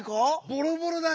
ボロボロだ！